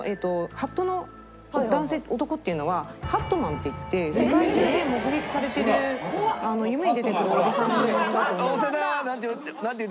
ハットの男性男っていうのはハットマンっていって世界中で目撃されてる夢に出てくるおじさんだと思う。